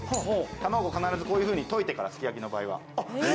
卵必ずこういうふうに溶いてからすき焼きの場合は。